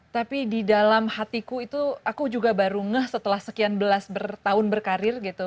tapi di dalam hatiku itu aku juga baru ngeh setelah sekian belas bertahun berkarir gitu